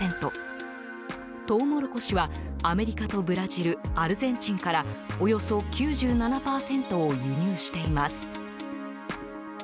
トウモロコシは、アメリカとブラジル、アルゼンチンからおよそ９７％を輸入しています。